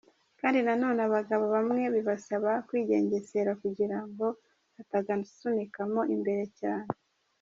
Kandi nanone abagabo bamwe bibasaba kwigengesera kugirango atagasunikiramo imbere cyane.